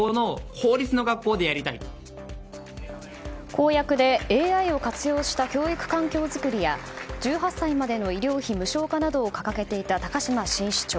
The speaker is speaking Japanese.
公約でＡＩを活用した教育環境づくりや１８歳までの医療費無償化などを掲げていた高島新市長。